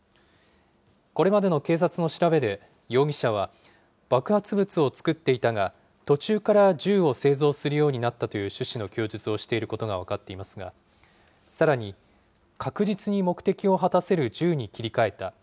これまでの警察の調べで、容疑者は、爆発物を作っていたが、途中から銃を製造するようになったという趣旨の供述をしていることが分かっていますが、さらに、確実に目的を果たせる銃に切り替えた。